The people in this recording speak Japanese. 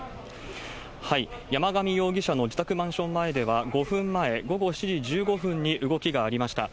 山上容疑者の自宅マンション前では、５分前、午後７時１５分に動きがありました。